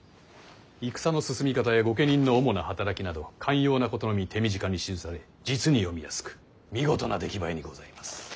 戦の進み方や御家人の主な働きなど肝要なことのみ手短に記され実に読みやすく見事な出来栄えにございます。